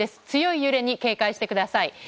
強い揺れに警戒してください。